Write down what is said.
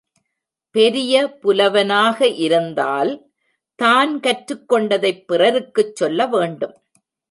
பெரிய புலவனாக இருந்தால், தான் கற்றுக்கொண்டதைப் பிறருக்குச் சொல்ல வேண்டும்.